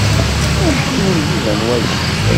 Amek i wen-d-iban waya?